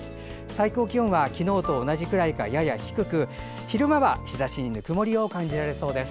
最高気温は昨日と同じくらいかやや低く昼間は日ざしにぬくもりを感じられそうです。